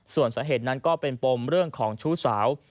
ส่วนสาเหตุนั้นก็เป็นปมเรื่องของชู้สาว